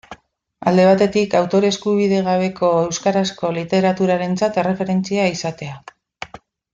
Alde batetik, autore-eskubide gabeko euskarazko literaturarentzat erreferentzia izatea.